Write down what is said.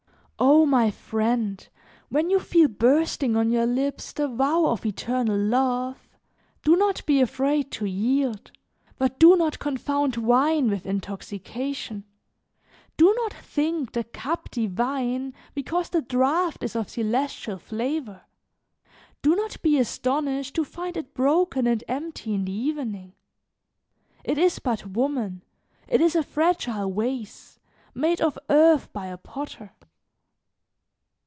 "Oh! my friend, when you feel bursting on your lips the vow of eternal love, do not be afraid to yield, but do not confound wine with intoxication; do not think the cup divine because the draft is of celestial flavor; do not be astonished to find it broken and empty in the evening. It is but woman, it is a fragile vase, made of earth by a potter.